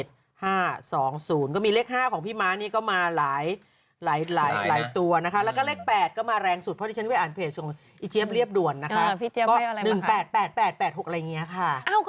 ทั้งกันก็มีเลขของพี่ม้านี่ก็มาหลายหลายหลายตัวนะคะแล้วก็เลข๘ก็มาแรงสุดเพราะฉะนั้นไม่อ่านเพจของไอ้เจฟเรียบรวมนะคะ